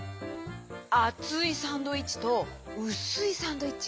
あついサンドイッチとうすいサンドイッチ。